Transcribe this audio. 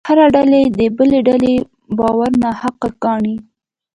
هره ډلې د بلې ډلې باور ناحقه ګاڼه.